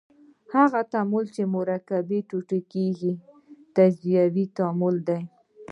هغه تعامل چې مرکبونه ټوټه کیږي تجزیوي تعامل دی.